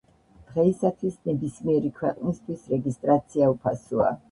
დღეისათვის ნებისმიერი ქვეყნისთვის რეგისტრაცია უფასოა.